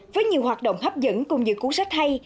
với nhiều hoạt động hấp dẫn cùng những cuốn sách hay